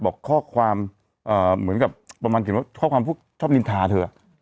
บอกข้อความเหมือนกับประมาณเขียนว่าข้อความพวกชอบนินทาเธอ